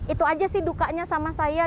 itu aja sih dukanya sama saya